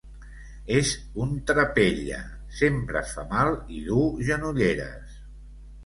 És un trapella: sempre es fa mal i duu genolleres.